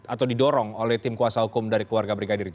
atau didorong oleh tim kuasa hukum dari keluarga brigadir j